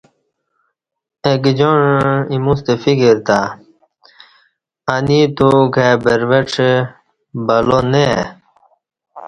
اگجاعں ایمُوستہ فِکر تہ انی اتو کائ بروڄہ، بلا نہ ائ